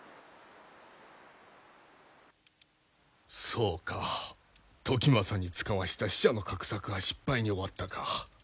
そうか時政に遣わした使者の画策は失敗に終わったか。